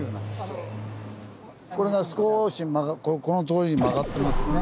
これが少しこの通り曲がってますね。